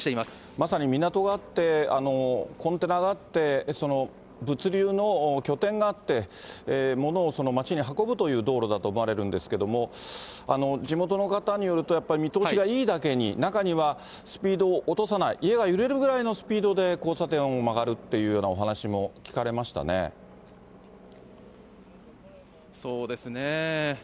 まさに港があって、コンテナがあって、物流の拠点があって、物を街に運ぶという道路だと思われるんですけれども、地元の方によると、やっぱり見通しがいいだけに、中には、スピードを落とさない、家が揺れるぐらいのスピードで交差点を曲がるっていうようなお話そうですね。